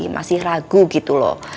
masih ragu gitu loh